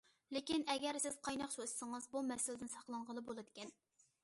لېكىن، ئەگەر سىز قايناق سۇ ئىچسىڭىز، بۇ مەسىلىدىن ساقلانغىلى بولىدىكەن.